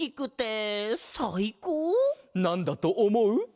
なんだとおもう？